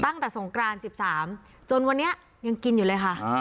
ตั้งแต่สงครานสิบสามจนวันนี้ยังกินอยู่เลยค่ะอ่า